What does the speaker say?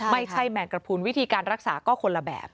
ไม่ใช่แมงกระพูลวิธีการรักษาก็คนละแบบ